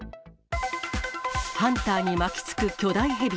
ハンターに巻きつく巨大ヘビ。